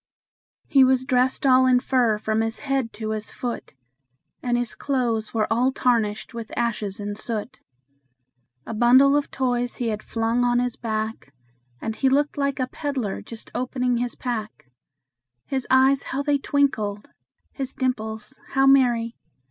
He was dressed all in fur from his head to his foot, And his clothes were all tarnished with ashes and soot; A bundle of toys he had flung on his back, And he looked like a peddler just opening his pack; His eyes how they twinkled! his dimples how merry!